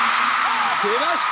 出ました！